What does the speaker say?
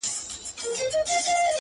زما له زړه څخه غمونه ولاړ سي؛